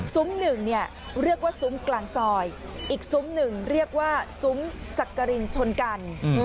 หนึ่งเนี่ยเรียกว่าซุ้มกลางซอยอีกซุ้มหนึ่งเรียกว่าซุ้มสักกรินชนกัน